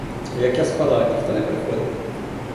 Як я спала, ніхто не приходив?